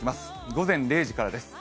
午前０時からです。